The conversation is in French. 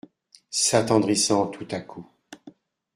S’attendrissant tout à coup.